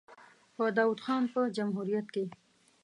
په داوود خان په جمهوریت کې.